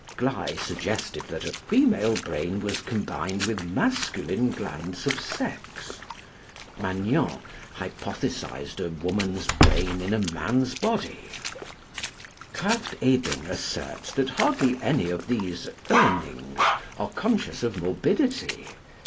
Gley suggested that a female brain was combined with masculine glands of sex. Magnan hypothesised a woman's brain in a man's body. Krafft Ebing asserts that hardly any of these Urnings are conscious of morbidity.